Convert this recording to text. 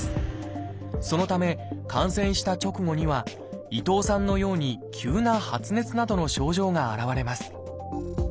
そのため感染した直後には伊藤さんのように急な発熱などの症状が現れます。